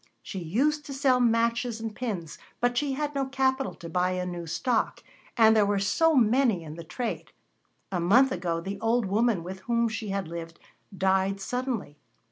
She used to sell matches and pins, but she had no capital to buy a new stock, and there were so many in the trade. A month ago the old woman with whom she had lived died suddenly.